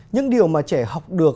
những điều mà trẻ học được